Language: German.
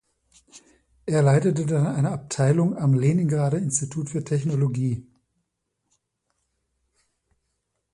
Er leitete dann eine Abteilung am Leningrader Institut für Technologie.